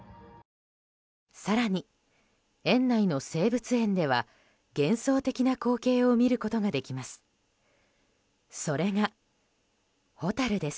更に園内の生物園では幻想的な光景を見ることができます。